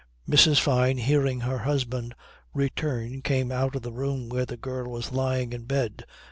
Mrs. Fyne hearing her husband return came out of the room where the girl was lying in bed.